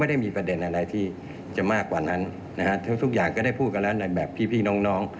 ไม่ได้มีปัญหาอะไรแทรกซ้อน